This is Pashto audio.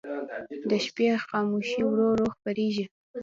د شپې خاموشي ورو ورو خپرېږي.